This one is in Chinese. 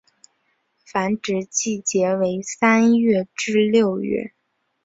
繁殖季节为三月至六月。